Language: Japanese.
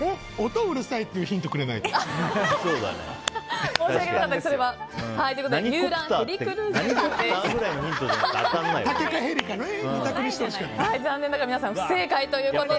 音うるさいってヒントくれないと。